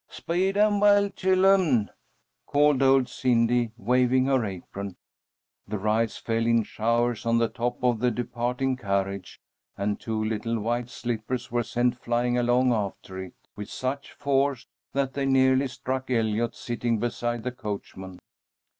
"Speed 'em well, chillun!" called old Cindy, waving her apron. The rice fell in showers on the top of the departing carriage, and two little white slippers were sent flying along after it, with such force that they nearly struck Eliot, sitting beside the coachman.